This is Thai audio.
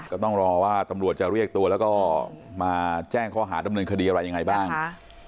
ก็ต้องรอว่าตำรวจจะเรียกตัวแล้วก็มาแจ้งข้อหาดำเนินคดีอะไรยังไงบ้าง